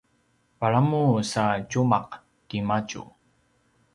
palamu sa tjumaq timadju